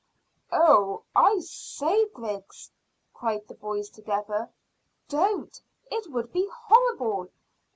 "Oh, I say, Griggs," cried the boys together, "don't! It would be horrible.